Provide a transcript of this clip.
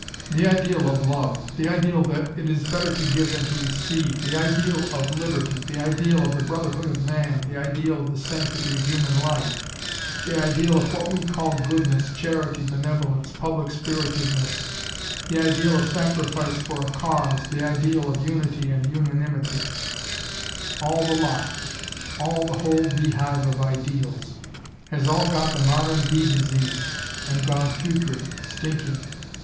"The ideal of love, the ideal that it is better to give than to receive, the ideal of liberty, the ideal of the brotherhood of man, the ideal of the sanctity of human life, the ideal of what we call goodness, charity, benevolence, public spirited ness, the ideal of sacrifice for a cause, the ideal of unity and unanimity all the lot all the whole beehive of ideals has all got the modern bee disease, and gone putrid, stinking.